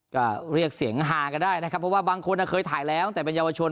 ก็เรียกเสียงฮากันได้นะครับเพราะว่าบางคนเคยถ่ายแล้วแต่เป็นเยาวชน